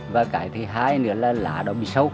và cái thứ hai nữa là lá nó bị sâu